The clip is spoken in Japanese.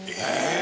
え！